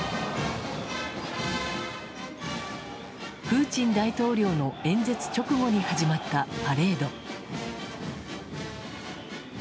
プーチン大統領の演説直後に始まったパレード。